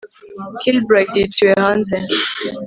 kilbride yiciwe hanze